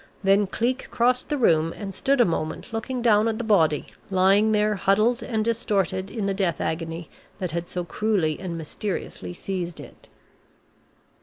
Then Cleek crossed the room and stood a moment looking down at the body, lying there huddled and distorted in the death agony that had so cruelly and mysteriously seized it.